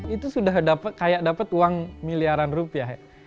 itu sudah kayak dapat uang miliaran rupiah